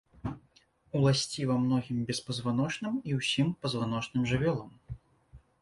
Уласціва многім беспазваночным і ўсім пазваночным жывёлам.